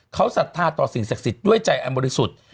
เขาศรัทธาต่อสิ่งศักดิ์สิทธิ์ด้วยใจอันบริสุทธิ์